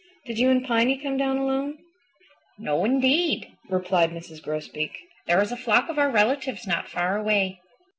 Did you and Piny come down alone?" "No, indeed," replied Mrs. Grosbeak. "There is a flock of our relatives not far away.